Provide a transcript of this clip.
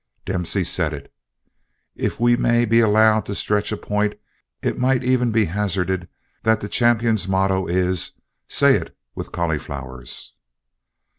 Dempsey said it. If we may be allowed to stretch a point it might even be hazarded that the champion's motto is "Say it with cauliflowers."